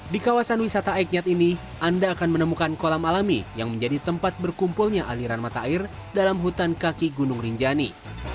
di kawasan wisata aiknyat ini anda akan menemukan kolam alami yang menjadi tempat berkumpulnya aliran mata air dalam hutan kaki gunung rinjani